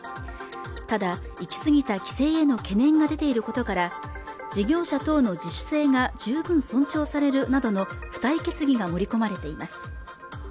ただ行き過ぎた規制への懸念が出ていることから事業者等の自主性が十分尊重されるなどの付帯決議が盛り込まれています